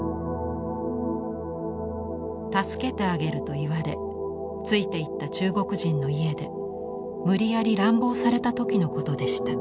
助けてあげると言われついていった中国人の家で無理やり乱暴された時のことでした。